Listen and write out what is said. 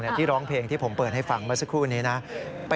หนักมากเลยใช่ไหมคุณเป็นอยู่ในนั้นไหมไม่